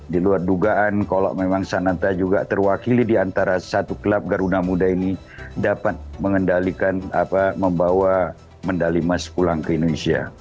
di luar dugaan kalau memang sananta juga terwakili di antara satu klub garuda muda ini dapat mengendalikan apa membawa medali emas pulang ke indonesia